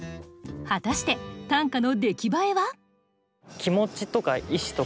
果たして短歌の出来栄えは？